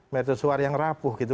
metosuar yang rapuh gitu